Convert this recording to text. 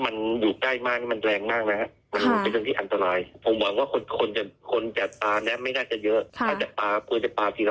พลังจะปาพลังจะปาทีละคนมันก็มีเวลา๑๑นาทีไม่ต้องลีกหรือเปลือก